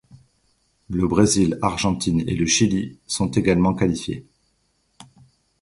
Le Brésil, Argentine et le Chili sont également qualifiés.